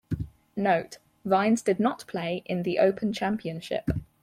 Note: Vines did not play in The Open Championship.